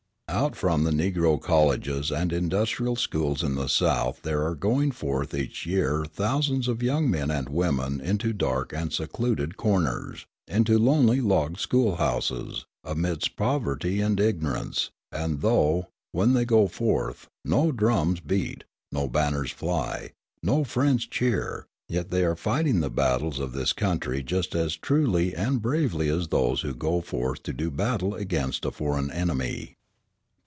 Out from the Negro colleges and industrial schools in the South there are going forth each year thousands of young men and women into dark and secluded corners, into lonely log school houses, amidst poverty and ignorance; and though, when they go forth, no drums beat, no banners fly, no friends cheer, yet they are fighting the battles of this country just as truly and bravely as those who go forth to do battle against a foreign enemy.